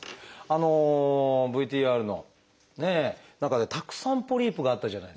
ＶＴＲのね中でたくさんポリープがあったじゃないですか。